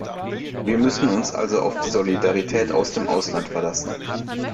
Wir müssen uns also auf die Solidarität aus dem Ausland verlassen.